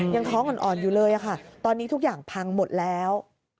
ยังท้องอ่อนอยู่เลยค่ะตอนนี้ทุกอย่างพังหมดแล้ว